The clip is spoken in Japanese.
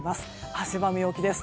汗ばむ陽気です。